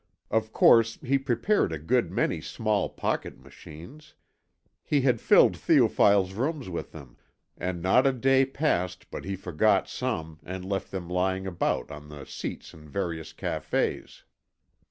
Of course he prepared a good many small pocket machines. He had filled Théophile's rooms with them, and not a day passed but he forgot some and left them lying about on the seats in various cafés.